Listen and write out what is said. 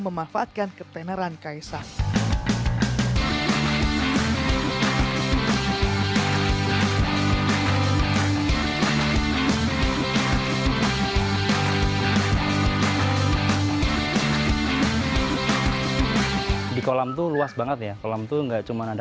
memanfaatkan ketenaran kaisang di kolam tuh luas banget ya kolam tuh enggak cuma ada